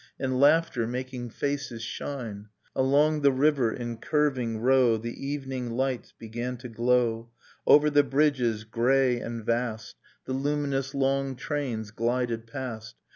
And laughter, making faces shine! ... Along the river in curAang row The evening lights began to glow ; Over the bridges, grey and vast, The luminous long trains glided past.